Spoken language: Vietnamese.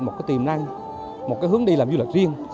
một cái tiềm năng một cái hướng đi làm du lịch riêng